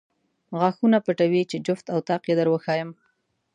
غاښونه پټوې چې جفت او طاق یې در وښایم.